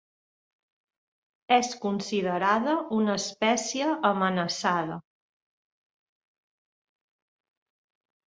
És considerada una espècie amenaçada.